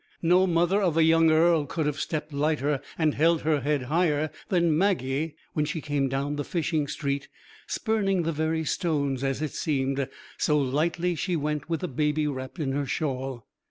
No mother of a young earl could have stepped lighter, and held her head higher, than Maggie when she came down the fishing street, spurning the very stones, as it seemed, so lightly she went with the baby wrapped in her shawl.